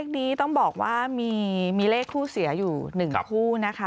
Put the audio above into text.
นี้ต้องบอกว่ามีเลขคู่เสียอยู่๑คู่นะคะ